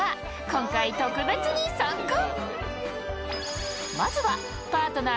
今回、特別に参加。